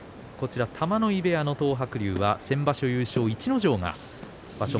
玉ノ井部屋の東白龍は先場所優勝の逸ノ城が場所